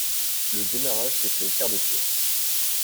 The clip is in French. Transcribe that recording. Le démarrage s’est fait au quart de tour.